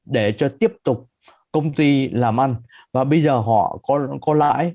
để cho tiếp tục công ty làm ăn và bây giờ họ có lãi